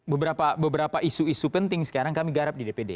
beberapa isu isu penting sekarang kami garap di dpd